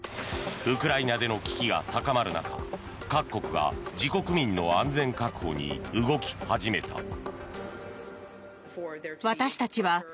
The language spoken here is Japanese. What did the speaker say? ウクライナでの危機が高まる中各国が自国民の安全確保に動き始めた。